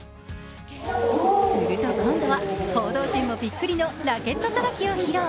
すると今度は報道陣もびっくりのラケットさばきを披露。